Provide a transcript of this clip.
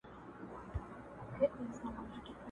هم په عمر هم په وزن برابر وه،